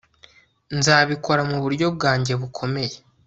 Nzabikora muburyo bwanjye bukomeye